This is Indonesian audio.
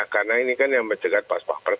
karena ini kan yang mencegah paspapres